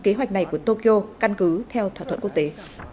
kế hoạch này của tokyo căn cứ theo thỏa thuận quốc tế